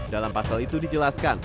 dalam pasal itu dijelaskan